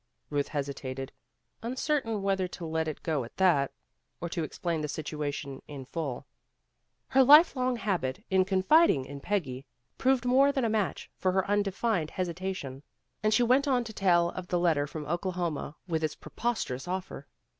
Ruth hesitated, uncertain whether to let it go at that, or to explain the situation in full. Her life long habit of confiding in Peggy proved more than a match for her undefined hesitation, and she went on to tell of the letter from Oklahoma with its preposterous offer.